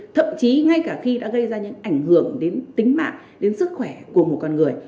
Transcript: thậm chí ngay cả khi đã gây ra những ảnh hưởng đến tính mạng đến sức khỏe của một con người